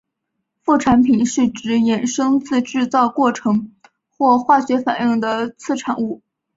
副产品是指衍生自制造过程或化学反应的次产物。